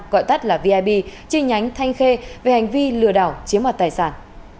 gọi tắt là vib chi nhánh thanh khê về hành vi lừa đảo chiếm hoạt tài sản